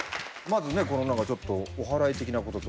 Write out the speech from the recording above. まずねこの何かちょっとおはらい的なこと。